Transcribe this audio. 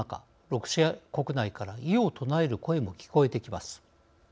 ロシア国内から異を唱える声も聞こえてきます。